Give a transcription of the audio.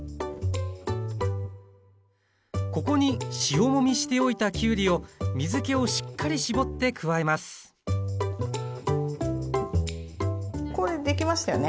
ここに塩もみしておいたきゅうりを水けをしっかり絞って加えますこれできましたよね。